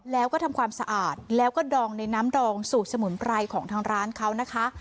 แล้วก็ทำความสะอาดแล้วก็ดองในน้ำดองสูตรสมุนไพรของทางร้านเขานะคะ